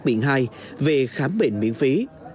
biển hai về khám bệnh miễn phí